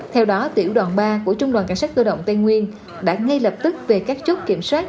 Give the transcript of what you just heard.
theo đó tiểu đoàn ba của trung đoàn cảnh sát cơ động tây nguyên đã ngay lập tức về các chốt kiểm soát